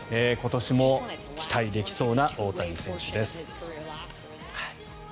今年も期待できそうな大谷選手です。